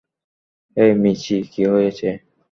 হেই, মিচি কি হয়েছে?